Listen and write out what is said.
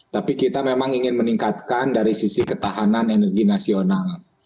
tapi kita memang ingin meningkatkan dari sisi ketahanan energi nasional